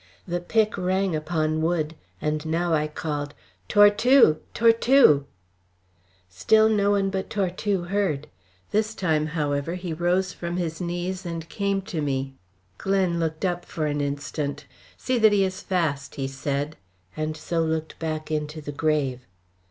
The pick rang upon wood, and now I called: "Tortue! Tortue!" Still no one but Tortue heard. This time, however, he rose from his knees and came to me. Glen looked up for an instant. "See that he is fast!" he said, and so looked back into the grave.